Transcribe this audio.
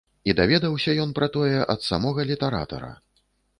І даведаўся ён пра тое ад самога літаратара.